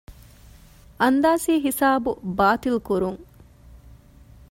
އަންދާސީހިސާބު ބާޠިލުކުރުން